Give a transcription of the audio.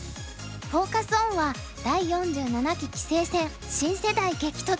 フォーカス・オンは「第４７期棋聖戦新世代激突！！」。